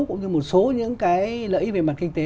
cũng như một số những cái lợi ích về mặt kinh tế